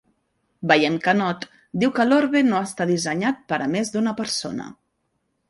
Veiem que Nod diu que l'orbe no està dissenyat per a més d'una persona.